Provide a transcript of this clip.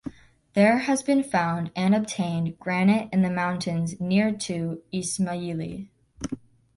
There has been found and obtained granite in the mountains near to Ismayilli.